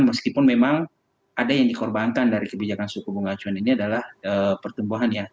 meskipun memang ada yang dikorbankan dari kebijakan suku bunga acuan ini adalah pertumbuhan ya